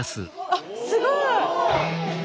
あっすごい！